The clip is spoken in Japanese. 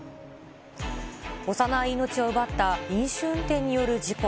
幼い命を奪った飲酒運転による事故。